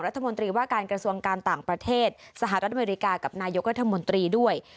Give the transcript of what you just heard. รัฐมนตรีว่าการกระทรวงการต่างประเทศสหรัฐอเมริกากับนายกรัฐมนตรีด้วย